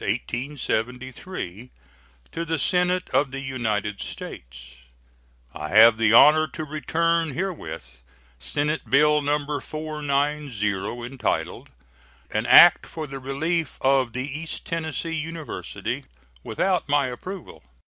To the Senate of the United States: I have the honor to return herewith Senate bill No. 490, entitled "An act for the relief of the East Tennessee University," without my approval.